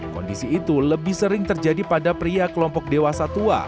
kondisi itu lebih sering terjadi pada pria kelompok dewasa tua